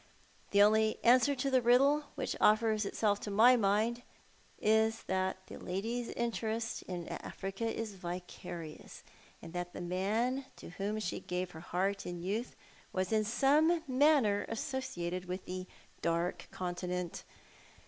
The only answer to the riddle which offers itself to my mind is that the lady's interest in Africa is vicarious, and that the man to whom she gave her heart in youth was in some manner associated with the dark continent.